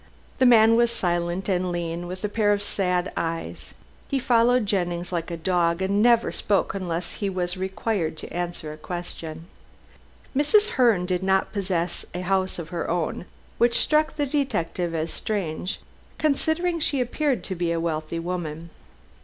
The man was silent and lean, with a pair of sad eyes. He followed Jennings like a dog and never spoke unless he was required to answer a question. Mrs. Herne did not possess a house of her own, which struck the detective as strange, considering she appeared to be a wealthy woman.